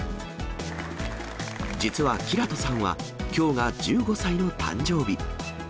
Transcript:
実は煌人さんは、きょうが１５歳の誕生日。